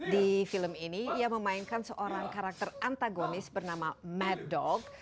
di film ini ia memainkan seorang karakter antagonis bernama maddog